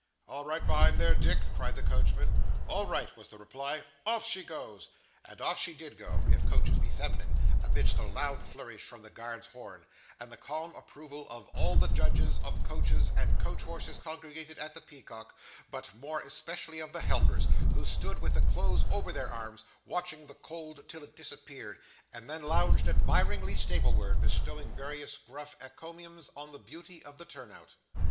'All right behind there, Dick?' cried the coachman. 'All right,' was the reply. 'Off she goes!' And off she did go if coaches be feminine amidst a loud flourish from the guard's horn, and the calm approval of all the judges of coaches and coach horses congregated at the Peacock, but more especially of the helpers, who stood, with the cloths over their arms, watching the coach till it disappeared, and then lounged admiringly stablewards, bestowing various gruff encomiums on the beauty of the turn out.